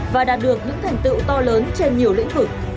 và đạt được những thành tựu to lớn trên nhiều lĩnh vực